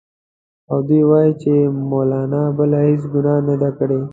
او دوی وايي چې مولنا بله هېڅ ګناه نه ده کړې.